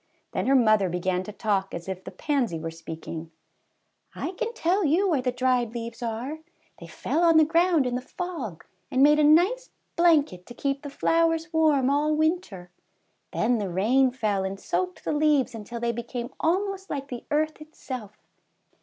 Then her mother began to talk as if the pansy was speaking: "I can tell you where the dried leaves are; they fell on the ground "ALL'S GONE." 173 in the fall and made a nice blanket to keep the flowers warm all winter. Then the rain fell and soaked the leaves until they became almost like the earth itself.